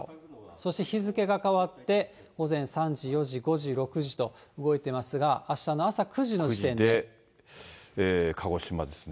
そして、日付が変わって、午前３時、４時、５時、６時と、動いてますが、鹿児島ですね。